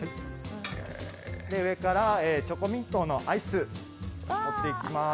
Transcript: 上からチョコミントのアイス盛っていきます。